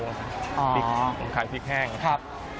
ผมขายพริกแห้งครับ